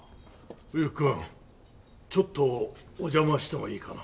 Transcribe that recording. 冬木君ちょっとお邪魔してもいいかな？